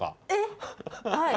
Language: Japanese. はい。